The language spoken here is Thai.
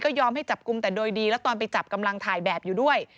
ยอมให้จับกลุ่มแต่โดยดีแล้วตอนไปจับกำลังถ่ายแบบอยู่ด้วย